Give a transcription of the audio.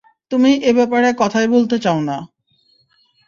তুমি এব্যাপারে কথাই বলতে চাও না।